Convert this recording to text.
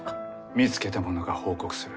見つけた者が報告する。